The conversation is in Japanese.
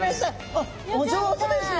あっお上手ですね。